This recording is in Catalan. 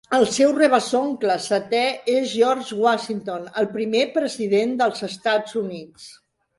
El seu rebesoncle setè és George Washington, el primer president dels Estats Units.